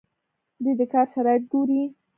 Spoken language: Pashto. دوی د کار شرایط ګوري.